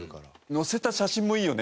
載せた写真もいいよね。